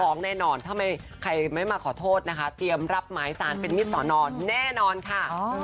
แน่นอนถ้าใครไม่มาขอโทษนะคะเตรียมรับหมายสารเป็นมิตรสอนอนแน่นอนค่ะ